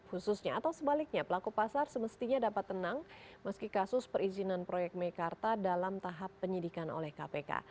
khususnya atau sebaliknya pelaku pasar semestinya dapat tenang meski kasus perizinan proyek mekarta dalam tahap penyidikan oleh kpk